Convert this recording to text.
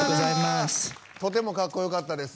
とてもかっこよかったです。